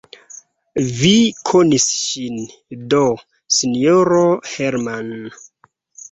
Vi konis ŝin do, sinjoro Hermann!